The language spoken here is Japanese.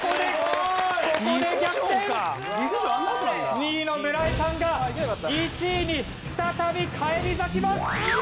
２位の村井さんが１位に再び返り咲きます。